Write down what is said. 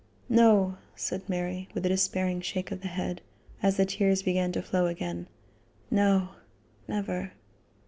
"No," said Mary, with a despairing shake of the head, as the tears began to flow again; "no! never."